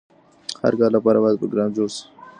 هر کار لپاره باید پروګرام جوړ شي.